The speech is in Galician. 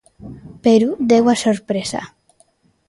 Perú deu a sorpresa.